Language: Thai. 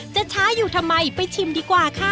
ช้าอยู่ทำไมไปชิมดีกว่าค่ะ